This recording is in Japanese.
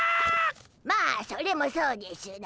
まあそれもそうでしゅな。